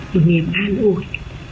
một niềm an ủi